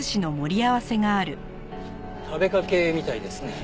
食べかけみたいですね。